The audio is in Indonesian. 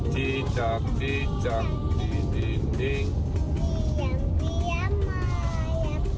cicak cicak di ding ding diam diam ayam